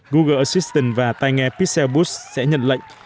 google assistant và tai nghe pixel boost sẽ nhận lệnh